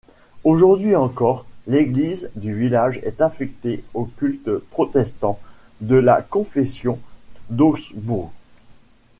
Aujourd'hui encore, l'église du village est affectée au culte protestant de la confession d'Augsbourg.